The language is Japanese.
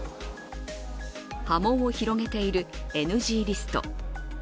波紋を広げているＮＧリスト。